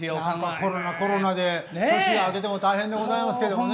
コロナコロナで年が明けても大変でございますけどもね。